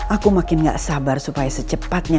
aku makin gak sabar supaya secepatnya